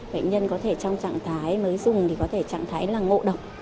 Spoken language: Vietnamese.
bệnh nhân có thể trong trạng thái mới dùng có thể trạng thái ngộ động